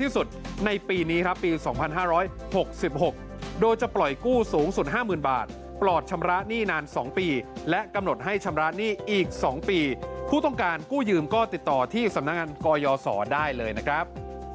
ที่สุดในปีนี้ครับปี๒๕๖๖โดยจะปล่อยกู้สูงสุด๕๐๐๐บาทปลอดชำระหนี้นาน๒ปีและกำหนดให้ชำระหนี้อีก๒ปีผู้ต้องการกู้ยืมก็ติดต่อที่สำนักงานกยศได้เลยนะครับ